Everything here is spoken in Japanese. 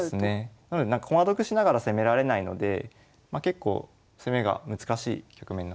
なので駒得しながら攻められないので結構攻めが難しい局面になってしまいます。